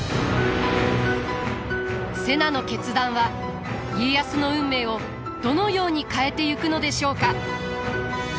瀬名の決断は家康の運命をどのように変えてゆくのでしょうか？